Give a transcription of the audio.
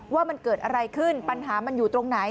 ว่ามันเกิดอะไรขึ้นปัญหามันอยู่ตรงไหน